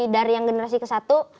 dari yang generasi ke satu